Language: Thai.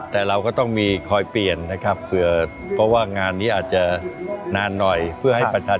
แต่เราก็ต้องมีคอยเปลี่ยนนะครับ